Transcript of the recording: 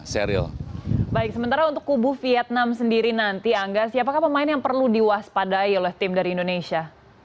baik sementara untuk kubu vietnam sendiri nanti angga siapakah pemain yang perlu diwaspadai oleh tim dari indonesia